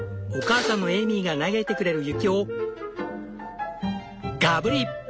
お母さんのエイミーが投げてくれる雪をガブリ！